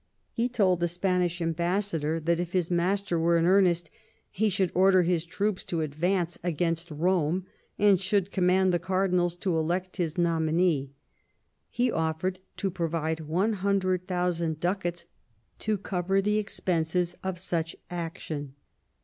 He told the Spanish ambassador that, if his master were in earnest, he should order his troops to advance against Eome, and should command the cardinals to elect his nominee ; he offered to provide 100,000 ducats to cover the expenses of such action.